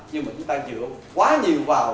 nhưng mà chúng ta dựa quá nhiều vào